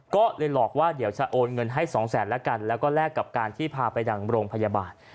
ก็เลยหลอกว่าเดี๋ยวจะโอนเงินให้สองแสนแล้วกันแล้วก็แลกกับการที่พาไปดังโรงพยาบาล